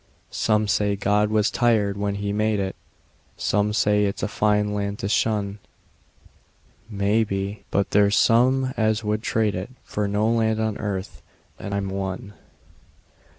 Some say God was tired when He made it; Some say it's a fine land to shun; Maybe; but there's some as would trade it For no land on earth and I'm one.